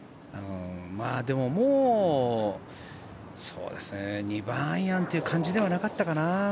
でも、もう２番アイアンという感じではなかったかな。